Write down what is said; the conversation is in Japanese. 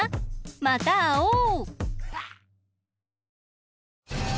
またあおう！